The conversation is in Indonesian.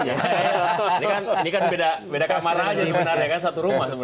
ini kan beda kamar aja sebenarnya kan satu rumah sebenarnya